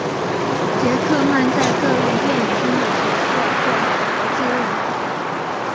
杰克曼在各类电影中的角色获得国际认可。